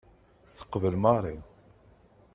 Teqbel Mary.